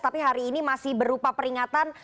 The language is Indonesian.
tapi hari ini masih berupa peringatan